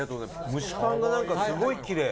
蒸しパンが、すごいキレイ。